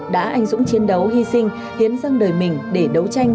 đã anh dũng chiến đấu hy sinh hiến dâng đời mình để đấu tranh